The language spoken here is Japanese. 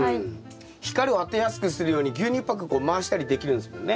光を当てやすくするように牛乳パックこう回したりできるんすもんね。